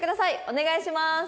お願いします。